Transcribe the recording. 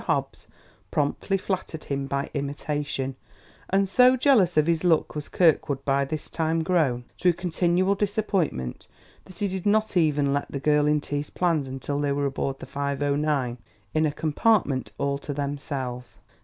Hobbs promptly flattered him by imitation; and so jealous of his luck was Kirkwood by this time grown, through continual disappointment, that he did not even let the girl into his plans until they were aboard the 5:09, in a compartment all to themselves.